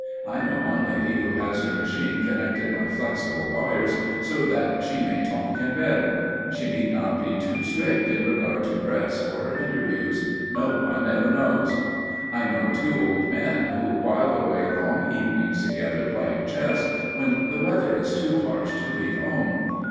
I know one lady who has her machine connected by flexible wires so that she may talk in bed. She need not be too strict in regard to dress for her interviews no one ever knows! I know two old men who while away long evenings together playing chess, when the weather is too harsh to leave home.